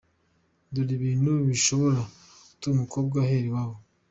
Dore ibintu bishobora gutuma umukobwa ahera iwabo :